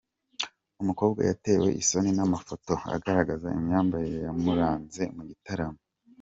Umukobwa yatewe isoni n’amafoto agaragaza imyambarire yamuranze mu gitaramo